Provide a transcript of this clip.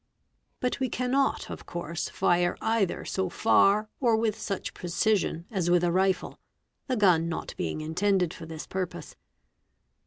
But we cannot of course fire a either so far or with such precision as with a rifle, the gun not being intended for this purpose.